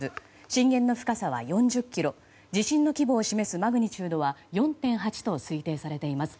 震源の深さは４０ｋｍ地震の規模を示すマグニチュードは４．８と推定されています。